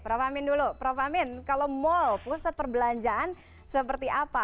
prof amin dulu prof amin kalau mall pusat perbelanjaan seperti apa